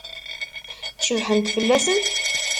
Cebḥent fell-asen?